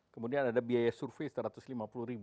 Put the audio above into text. kemudian ada biaya survei rp satu ratus lima puluh